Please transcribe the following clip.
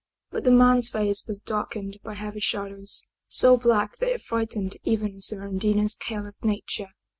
But the man's face was darkened by heavy shadows, so black that it frightened even Smeraldina's careless nature.